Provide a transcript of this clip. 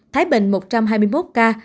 thái bình một trăm hai mươi một ca